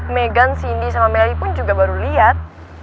megan cindy sama meli pun juga baru liat